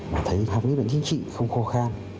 mà thấy học lý luận chính trị không khô khan